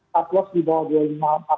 katlos di bawah tiga ribu lima ratus